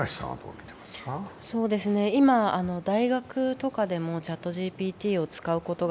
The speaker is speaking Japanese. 今、大学とかでもＣｈａｔＧＰＴを使うことが